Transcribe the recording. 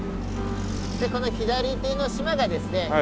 この左手の島がですね